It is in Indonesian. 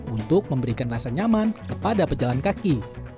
untuk memberikan rasa nyaman kepada pejalan kaki